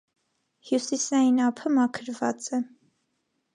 Հյուսիսային ափը մաքրված է։